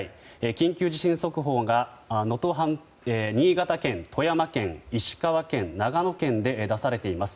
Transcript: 緊急地震速報が新潟県、富山県石川県、長野県で出されています。